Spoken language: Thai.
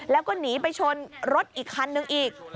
แล้วก็หนีไปชนรถอีกคันนึงอีก